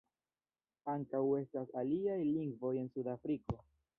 Ankaŭ estas aliaj lingvoj en Sud-Afriko.